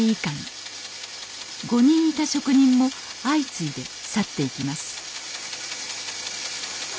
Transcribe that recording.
５人いた職人も相次いで去っていきます